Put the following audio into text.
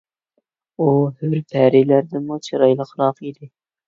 ئۇ ھۆر پەرىلەردىنمۇ چىرايلىقراق ئىدى.